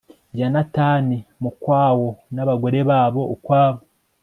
ya natani m ukwawo n abagore babo ukwabo